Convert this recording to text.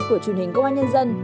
của truyền hình công an nhân dân